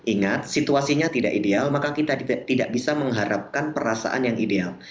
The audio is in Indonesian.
ingat situasinya tidak ideal maka kita tidak bisa mengharapkan perasaan yang ideal